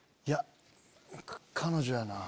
彼女やなぁ。